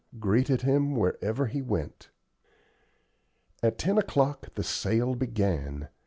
greeted him wherever he went. At ten o'clock the sale began.